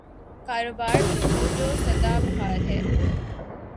کاروبار بھی وہ جو صدا بہار ہے۔